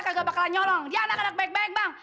saya gak bakalan nyolong dia anak anak baik baik bang